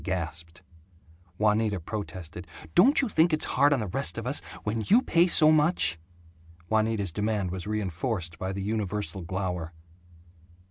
They gasped. Juanita protested, "Don't you think it's hard on the rest of us when you pay so much?" Juanita's demand was reinforced by the universal glower.